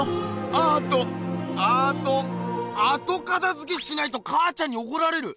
アートあとあと片づけしないと母ちゃんにおこられる。